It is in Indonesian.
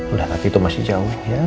udah tapi itu masih jauh ya